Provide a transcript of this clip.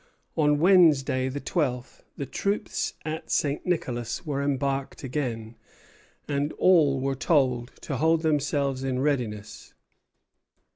On Wednesday, the twelfth, the troops at St. Nicolas were embarked again, and all were told to hold themselves in readiness.